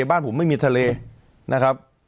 บ้านผมไม่มีทะเลนะครับ